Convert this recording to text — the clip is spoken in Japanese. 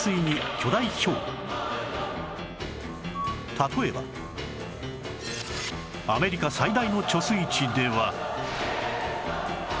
例えばアメリカ最大の貯水池では